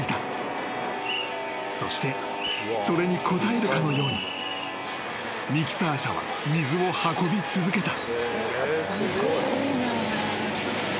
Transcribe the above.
［そしてそれに応えるかのようにミキサー車は水を運び続けた］